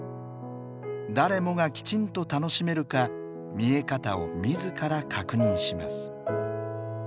誰もがきちんと楽しめるか見え方を自ら確認します。